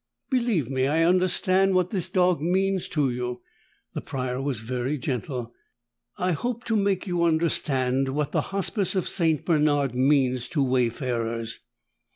"Believe me, I understand what this dog means to you." The Prior was very gentle. "I hope to make you understand what the Hospice of St. Bernard means to wayfarers.